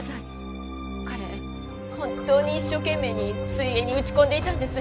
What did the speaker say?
彼本当に一生懸命に水泳に打ち込んでいたんです。